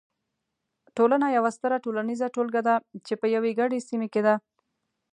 ټولنه یوه ستره ټولنیزه ټولګه ده چې په یوې ګډې سیمې کې ده.